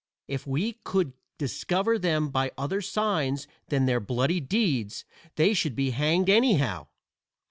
If we could discover them by other signs than their bloody deeds they should be hanged anyhow.